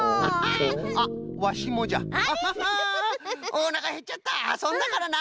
おなかへっちゃったあそんだからな。